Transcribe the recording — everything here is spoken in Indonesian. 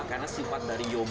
karena sifat dari yoghurt